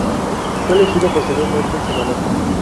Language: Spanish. Fue elegido posteriormente senador.